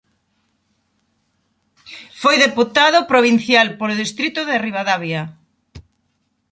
Foi deputado provincial polo distrito de Ribadavia.